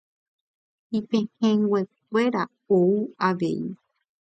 Ipehẽnguekuéra ou avei